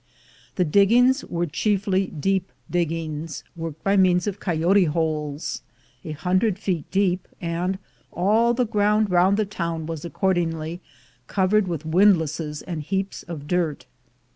The diggings were chiefly deep diggings, worked by means of "coyote holes," a hundred feet deep, and all the ground round the town was accord ingly covered with windlasses and heaps of dirt.